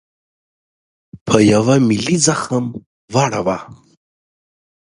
په یوه ملي زخم واړاوه.